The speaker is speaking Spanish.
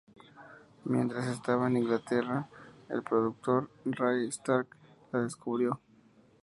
Mientras estaba en Inglaterra, el productor Ray Stark la descubrió.